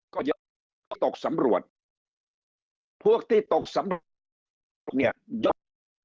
ก็ตกสำรวจพวกที่ตกสำรวจ